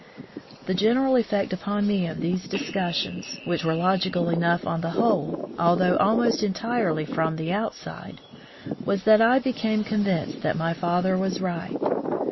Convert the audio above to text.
The general eflfect upon me of these dis cussions, which were logical enough on the whole, although almost entirely from the outside, was that I became convinced that my father was right.